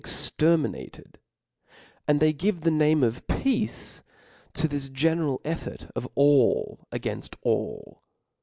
exterminated ; and they give the name of peace ^ B o 6 k to this general effort of all againft all.